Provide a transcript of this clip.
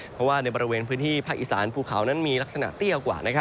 เพราะว่าในบริเวณพื้นที่ภาคอีสานภูเขานั้นมีลักษณะเตี้ยกว่า